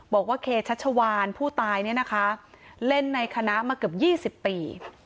บอกว่าเคชัชวานผู้ตายเนี่ยนะคะเล่นในคณะมาเกือบ๒๐ปี